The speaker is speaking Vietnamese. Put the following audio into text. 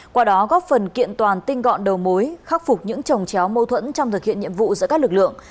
qua đó góp phần kiện toàn tinh gọn đầu mối khắc phục những trồng chéo mâu thuẫn trong thực hiện nhiệm vụ giữa các lực lượng